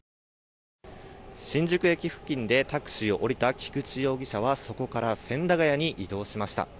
新宿駅付近でタクシーを降りた菊池容疑者はそこから千駄ヶ谷に移動しました。